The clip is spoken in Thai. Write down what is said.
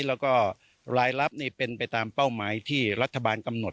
แล้วก็รายลับนี่เป็นไปตามเป้าหมายที่รัฐบาลกำหนด